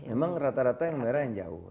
emang rata rata yang merah yang jauh